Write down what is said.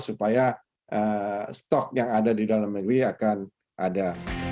supaya stok yang ada di dalam negeri akan ada